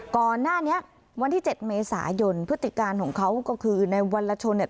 ก่อนหน้านี้วันที่๗เมษายนพฤติการของเขาก็คือในวันละชนเนี่ย